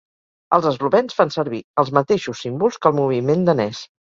Els eslovens fan servir els mateixos símbols que el moviment danès.